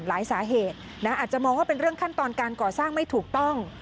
หลายสาเหตุนะอาจจะมองว่าเป็นเรื่องขั้นตอนการก่อสร้างไม่ถูกต้อง